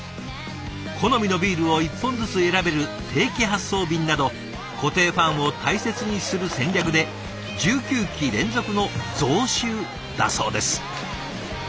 好みのビールを１本ずつ選べる定期発送便など固定ファンを大切にする戦略で１９期連続の増収だそうです。